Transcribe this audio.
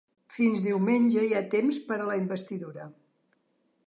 Fins diumenge hi ha temps per a la investidura.